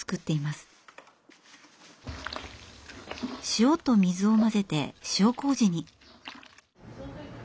塩と水を混ぜて塩こうじに。